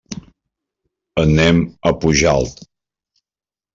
Anem a Pujalt.